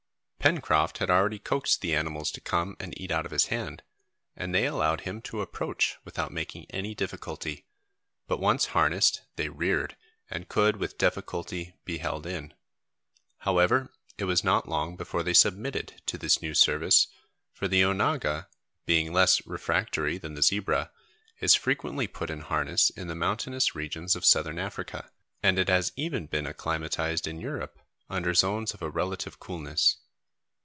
Pencroft had already coaxed the animals to come and eat out of his hand, and they allowed him to approach without making any difficulty, but once harnessed they reared and could with difficulty be held in. However it was not long before they submitted to this new service, for the onaga, being less refractory than the zebra, is frequently put in harness in the mountainous regions of Southern Africa, and it has even been acclimatised in Europe, under zones of a relative coolness.